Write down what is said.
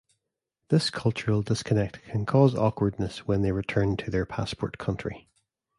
This cultural disconnect can cause awkwardness when they return to their passport country.